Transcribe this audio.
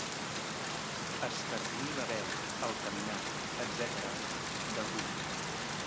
Escarnir la veu, el caminar, etc., d'algú.